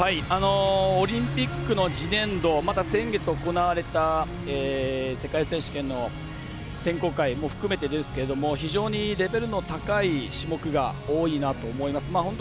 オリンピックの次年度また、先月行われた世界選手権の選考会も含めて非常にレベルの高い種目が多いなと思います。